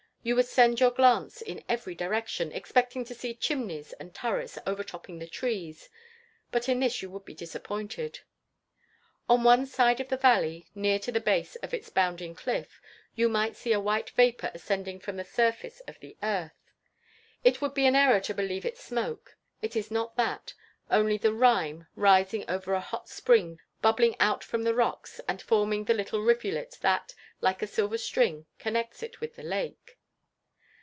You would send your glance in every direction, expecting to see chimneys and turrets overtopping the trees; but in this you would be disappointed. On one side of the valley, near to the base of its bounding cliff, you might see a white vapour ascending from the surface of the earth. It would be an error to believe it smoke. It is not that only the rime rising over a hot spring bubbling out from the rocks and forming the little rivulet, that, like a silver string, connects it with the lake.